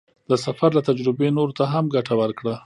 د سفر له تجربې نورو ته هم ګټه ورکړه.